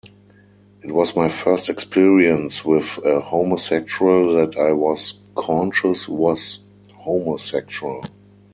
It was my first experience with a homosexual that I was conscious was homosexual.